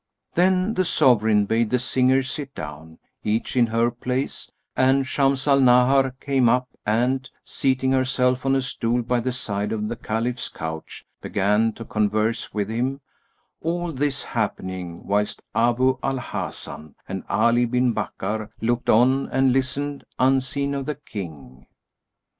Then the Sovereign bade the singers sit down, each in her place, and Shams al Nahar came up and, seating herself on a stool by the side of the Caliph's couch, began to converse with him; all this happening whilst Abu al Hasan and Ali bin Bakkar looked on and listened, unseen of the King.